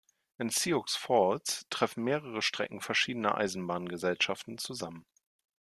In Sioux Falls treffen mehrere Strecken verschiedener Eisenbahngesellschaften zusammen.